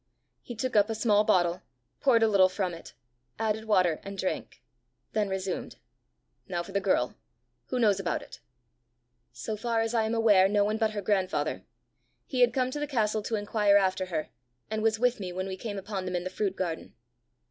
He took up a small bottle, poured a little from it, added water, and drank then resumed. "Now for the girl: who knows about it?" "So far as I am aware, no one but her grandfather. He had come to the castle to inquire after her, and was with me when we came upon them in the fruit garden."